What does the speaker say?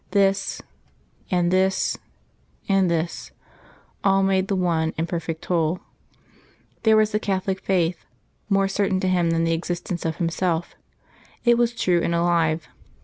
This ... and this ... and this ... all made the one and perfect whole. There was the Catholic Faith, more certain to him than the existence of himself: it was true and alive.